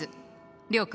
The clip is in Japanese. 諒君。